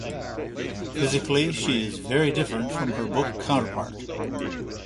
Physically, she is very different from her book counterpart.